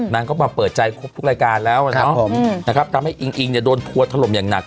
นางก็มาเปิดใจครบทุกรายการแล้วนะครับผมนะครับทำให้อิงอิงเนี่ยโดนทัวร์ถล่มอย่างหนัก